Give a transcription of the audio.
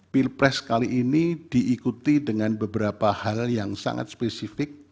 pilpres kali ini diikuti dengan beberapa hal yang sangat spesifik